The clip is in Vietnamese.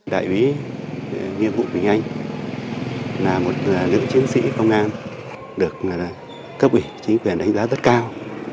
đại úy nghiêm vũ quỳnh anh là một lượng chiến sĩ công an được cấp ủy chính quyền đánh giá rất cao